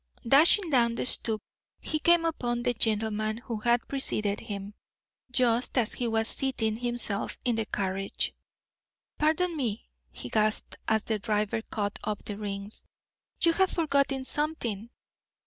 Dashing down the stoop, he came upon the gentleman who had preceded him, just as he was seating himself in the carriage. "Pardon me," he gasped, as the driver caught up the reins; "you have forgotten something."